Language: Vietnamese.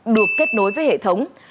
được kết nối với hệ thống